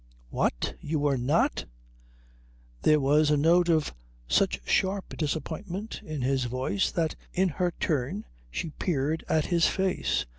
"What? You were not?" There was a note of such sharp disappointment in his voice that in her turn she peered at his face.